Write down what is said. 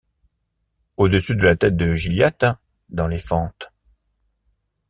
Au-dessus de la tête de Gilliatt, dans les fentes